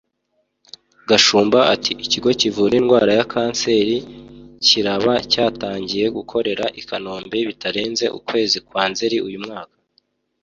Gashumba ati “Ikigo kivura indwara ya kanseri kiraba cyatangiye gukorera i Kanombe bitarenze ukwezi kwa Nzeri uyu mwaka